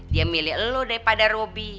dia milih lu daripada robi